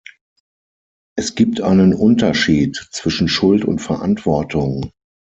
Es gibt einen Unterschied zwischen Schuld und Verantwortung.